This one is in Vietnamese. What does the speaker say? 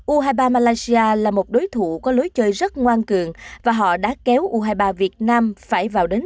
u hai mươi ba malaysia là một đối thủ có lối chơi rất ngoan cường và họ đã kéo u hai mươi ba việt nam phải vào đến